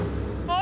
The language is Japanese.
あ。